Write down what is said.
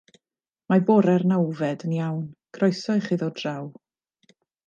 Mae bore'r nawfed yn iawn - croeso i chi ddod draw.